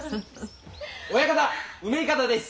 ・親方梅筏です！